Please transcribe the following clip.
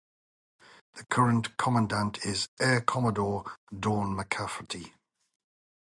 The current commandant is Air Commodore Dawn McCafferty.